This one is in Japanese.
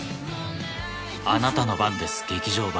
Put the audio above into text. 『あなたの番です劇場版』。